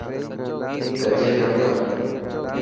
گڏجي ڪم ڪر.